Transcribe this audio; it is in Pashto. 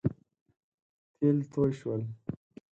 تېل توی شول